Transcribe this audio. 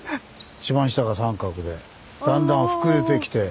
一番下が三角でだんだん膨れてきて。